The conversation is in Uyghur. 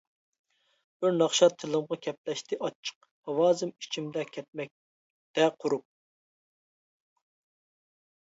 بىر ناخشا تىلىمغا كەپلەشتى ئاچچىق، ئاۋازىم ئىچىمدە كەتمەكتە قۇرۇپ.